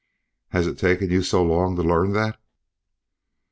"Has it taken you so long to learn that?"